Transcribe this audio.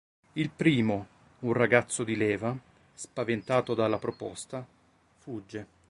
Il primo, un ragazzo di leva, spaventato dalla proposta, fugge.